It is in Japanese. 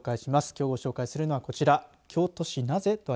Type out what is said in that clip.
きょうご紹介するはこちら。